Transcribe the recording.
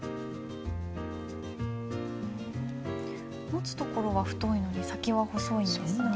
持つ所は太いのに先は細いんですね。